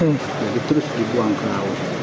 jadi terus dibuang ke laut